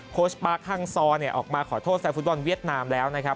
โค้ชปาร์คห้างซอออกมาขอโทษแฟร์ฟุตบอลเวียดนามแล้วนะครับ